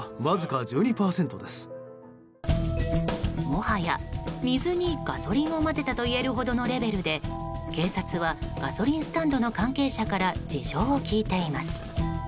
もはや、水にガソリンを混ぜたといえるほどのレベルで警察はガソリンスタンドの関係者から事情を聴いています。